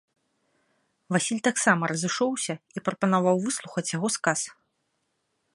Васіль таксама разышоўся і прапанаваў выслухаць яго сказ.